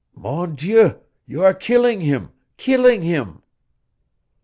"Mon Dieu, you are killing him killing him!"